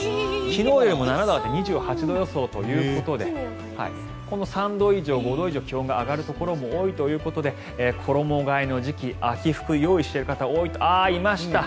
昨日よりも７度上がって２８度予想ということで３度以上、５度以上気温が上がるところも多いということで衣替えの時期秋服、用意している方も多いとああ、いました。